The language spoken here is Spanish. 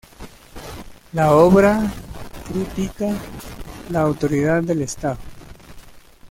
La obra critica la autoridad del Estado.